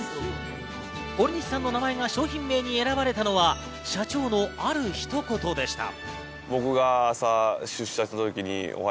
堀西さんの名前が商品名に選ばれたのは社長のある一言でした。